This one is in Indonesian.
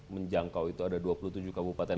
menjangkau itu ada dua puluh tujuh kabupaten